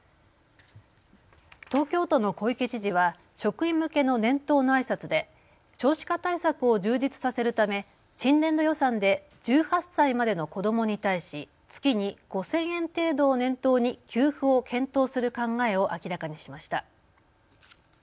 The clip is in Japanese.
東京都の小池知事は職員向けの年頭のあいさつで少子化対策を充実させるため新年度予算で１８歳までの子どもに対し月に５０００円程度を念頭に給付を検討する考えを明らかにしました。